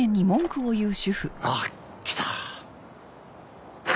あっ来た。